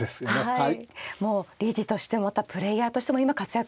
はい。